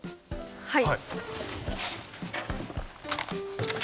はい。